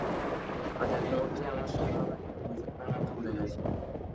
আজ এক মুহূর্তেই আমার সেই ভাবের দুর্গ স্বপ্নের মতো উড়ে গেছে।